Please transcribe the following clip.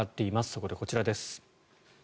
そこでこちらです。